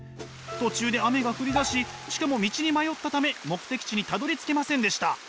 途中で雨が降りだししかも道に迷ったため目的地にたどりつけませんでした。